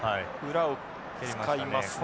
裏を使いますね。